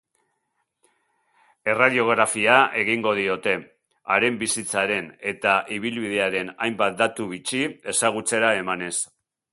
Erradiografia egingo diote, haren bizitzaren eta ibilbidearen hainbat datu bitxi ezagutzera emanez.